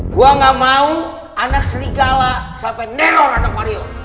gue gak mau anak sri gala sampai neror anak warior